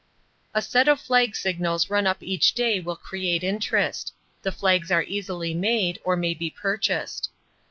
A set of flag signals run up each day will create interest. The flags are easily made, or may be purchased.